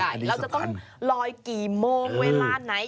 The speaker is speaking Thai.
เราจะต้องลอยกี่โมงเวลาไหน